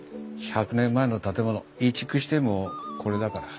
１００年前の建物移築してもこれだから。